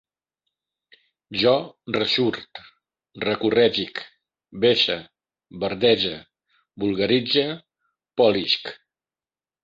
Jo ressurt, recorregisc, vesse, verdege, vulgaritze, polisc